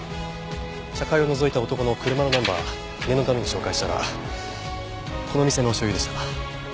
茶会をのぞいた男の車のナンバー念のために照会したらこの店の所有でした。